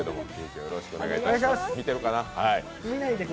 よろしくお願いします！